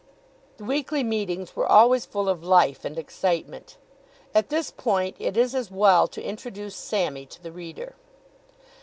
The weekly meetings were always full of life and excitement. At this point it is as well to introduce Sammy to the reader.